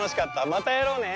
またやろうね！